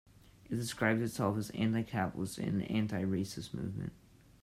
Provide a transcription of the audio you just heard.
It describes itself as anti-capitalist and anti-racist movement.